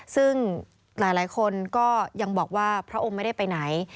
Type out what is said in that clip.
ซึ่งหลายคนก็ยังบอกว่าพระองค์ไม่ได้ไปไหน